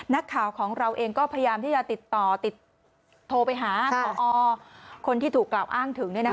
นักข่าวของเราเองก็พยายามที่จะติดต่อโทรไปหาพอคนที่ถูกกล่าวอ้างถึง